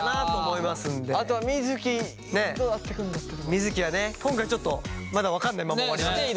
水城はね今回ちょっとまだ分かんないまま終わりました。